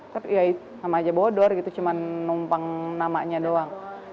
tapi ya sama aja bodor gitu cuma numpang namanya doang